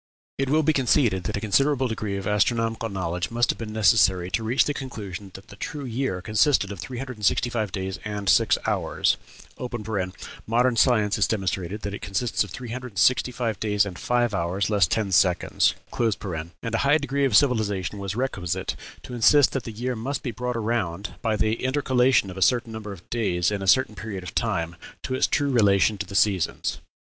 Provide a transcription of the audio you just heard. It will be conceded that a considerable degree of astronomical knowledge must have been necessary to reach the conclusion that the true year consisted of three hundred and sixty five days and six hours (modern science has demonstrated that it consists of three hundred and sixty five days and five hours, less ten seconds); and a high degree of civilization was requisite to insist that the year must be brought around, by the intercalation of a certain number of days in a certain period of time, to its true relation to the seasons.